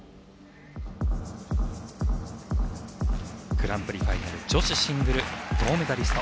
グランプリファイナル女子シングル銅メダリスト